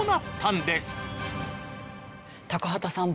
高畑さん